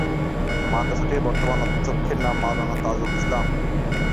মাদ্রাসাটির বর্তমান অধ্যক্ষের নাম মাওলানা তাজুল ইসলাম।